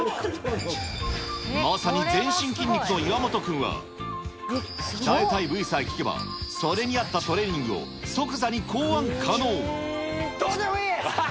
まさに全身筋肉の岩本君は、鍛えたい部位さえ聞けば、それに合ったトレーニングを即座に考案どうでもいい！